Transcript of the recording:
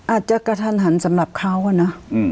อาจจะกระทันหันสำหรับเขาอะนะ